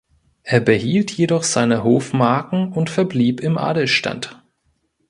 Er behielt jedoch seine Hofmarken und verblieb im Adelsstand.